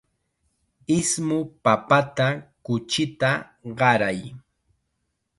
Ismu papata kuchita qaray.